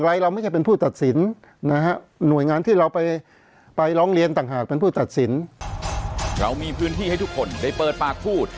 เรามีพื้นที่ให้ทุกคนได้เปิดปากพูด